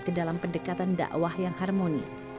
ke dalam pendekatan dakwah yang harmoni